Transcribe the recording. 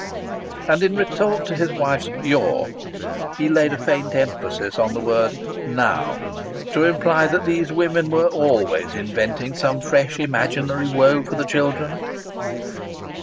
And in retort to his wife's "your," he laid a faint emphasis on the word "now," to imply that those women were always inventing some fresh imaginary woe for the children.